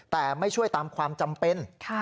แต่ไม่ช่วยตามความจำเป็น